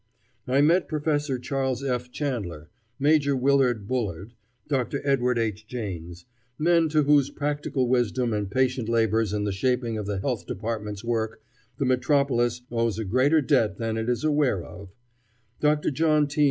I met Professor Charles F. Chandler, Major Willard Bullard, Dr. Edward H. Janes men to whose practical wisdom and patient labors in the shaping of the Health Department's work the metropolis owes a greater debt than it is aware of; Dr. John T.